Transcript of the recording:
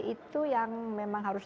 itu yang memang harus